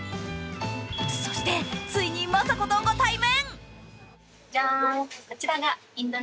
そして、ついにマサコとご対面。